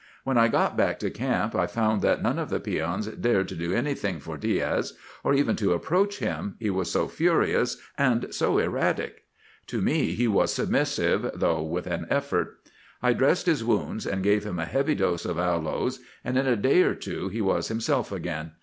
When I got back to camp I found that none of the peons dared to do anything for Diaz, or even to approach him, he was so furious and so erratic. To me he was submissive, though with an effort. I dressed his wounds, and gave him a heavy dose of aloes, and in a day or two he was himself again.